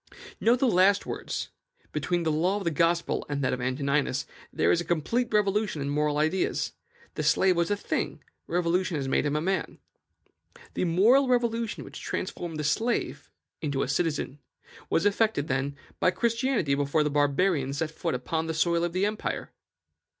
Note the last words: "Between the law of the Gospel and that of Antoninus there is a complete revolution in moral ideas: the slave was a thing; religion has made him a man." The moral revolution which transformed the slave into a citizen was effected, then, by Christianity before the Barbarians set foot upon the soil of the empire.